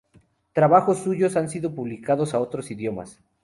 Trabajos suyos han sido publicados a otros idiomas.